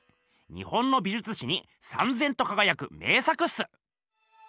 日本の美じゅつ史にさんぜんとかがやく名作っす。